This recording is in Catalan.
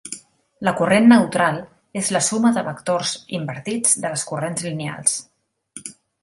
La corrent neutral és la suma de vectores invertits de les corrents lineals.